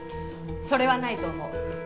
それはないと思う。